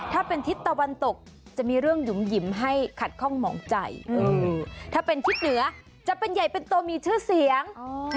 ถ้าเป็นทิศตะวันตกจะมีเรื่องหยุ่มหิมให้ขัดข้องหมองใจถ้าเป็นทิศเหนือจะเป็นใหญ่เป็นตัวมีชื่อเสียง